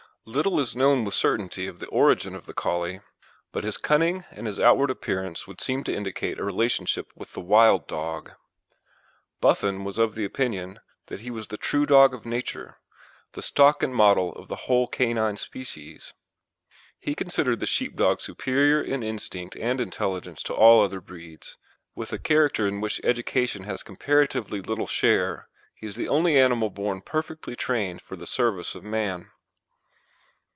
Little is known with certainty of the origin of the Collie, but his cunning and his outward appearance would seem to indicate a relationship with the wild dog. Buffon was of opinion that he was the true dog of nature, the stock and model of the whole canine species. He considered the Sheepdog superior in instinct and intelligence to all other breeds, and that, with a character in which education has comparatively little share, he is the only animal born perfectly trained for the service of man.